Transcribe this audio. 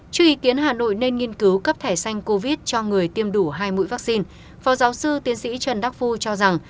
trước ý kiến hà nội nên nghiên cứu cấp thẻ xanh covid cho người tiêm đủ hai mũi vaccine phó giáo sư tiến sĩ trần đắc phu cho rằng